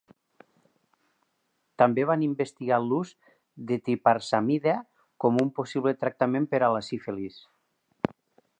També van investigar l'ús de triparsamida com un possible tractament per a la sífilis.